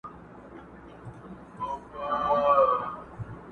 ږغ مي ټول کلی مالت سي اورېدلای.!